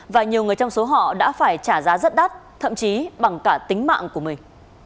và nhiều người trong số họ đã phải trả giá rất đắt thậm chí bằng cả tính mạng của mình